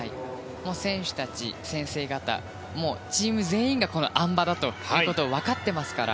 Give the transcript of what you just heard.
選手たち先生方チーム全員がこの、あん馬だということを分かっていますから。